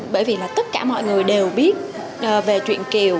bởi vì là tất cả mọi người đều biết về chuyện kiều